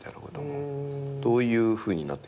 どういうふうになってきましたか？